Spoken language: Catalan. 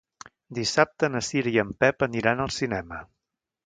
Dissabte na Cira i en Pep aniran al cinema.